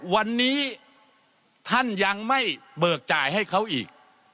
วันนี้ท่านยังไม่เบิกจ่ายให้เขาอีก